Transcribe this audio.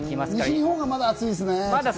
西日本はまだ暑いですね。